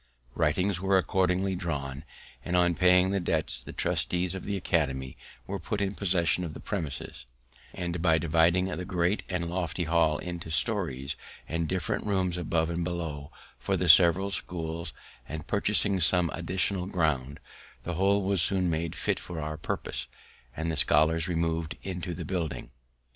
Writings were accordingly drawn, and on paying the debts the trustees of the academy were put in possession of the premises; and by dividing the great and lofty hall into stories, and different rooms above and below for the several schools, and purchasing some additional ground, the whole was soon made fit for our purpose, and the scholars remov'd into the building.